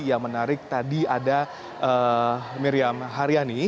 yang menarik tadi ada miriam haryani